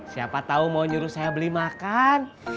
siapa tahu mau nyuruh saya beli makan